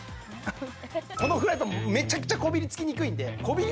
このフライパンめちゃくちゃこびりつきにくいんでそう！